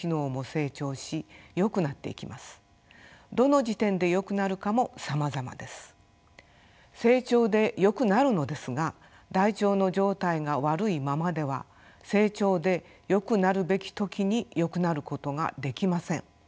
成長でよくなるのですが大腸の状態が悪いままでは成長でよくなるべき時によくなることができません。